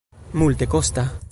multekosta